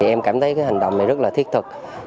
em cảm thấy hành động này rất thiết thực